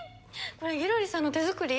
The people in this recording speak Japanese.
これギロリさんの手作り？